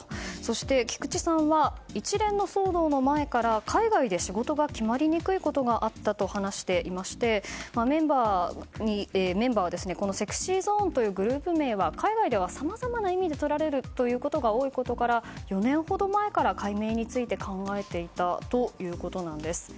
そして、菊池さんは一連の騒動の前から海外で仕事が決まりにくいことがあったと話していて、メンバーはこのＳｅｘｙＺｏｎｅというグループ名は海外ではさまざまな意味でとられることが多いことから４年ほど前から改名について考えていたということなんです。